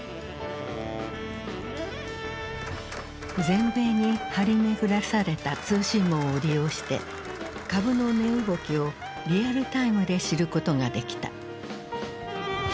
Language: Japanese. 全米に張り巡らされた通信網を利用して株の値動きをリアルタイムで知ることができた。